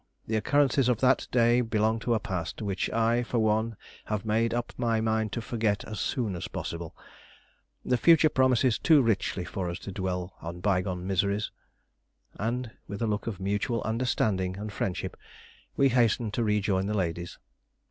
The occurrences of that day belong to a past which I, for one, have made up my mind to forget as soon as possible. The future promises too richly for us to dwell on bygone miseries." And with a look of mutual understanding and friendship we hastened to rejoin the ladies.